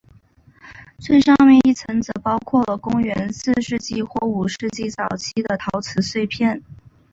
最上面一层则包括了公元四世纪或五世纪早期的陶瓷碎片。